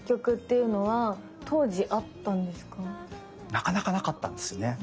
なかなかなかったんですね。